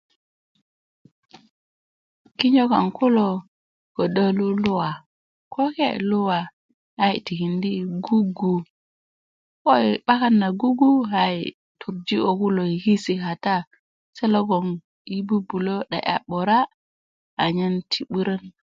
kinyo kaŋ kulo ködö luluwa kokee luwa a yi tikindi yi gugu ko yi' 'bakan na gugu a yi' turuji ko kulo yi kisi kata se logon yi' bubulo 'de 'ya 'bura anyen ti burön